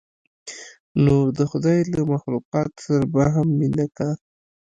نو د خداى له مخلوقاتو سره به هم مينه کا.